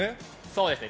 そうですね。